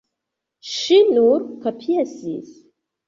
Ŝi nur kapjesis.